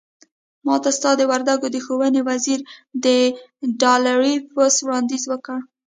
ماته ستا د وردګو د ښوونې وزير د ډالري پست وړانديز وکړ.